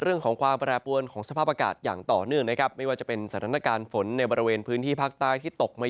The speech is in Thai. เรื่องของความแปรปวนของสภาพอากาศอย่างต่อเนื่องนะครับไม่ว่าจะเป็นสถานการณ์ฝนในบริเวณพื้นที่ภาคใต้ที่ตกมา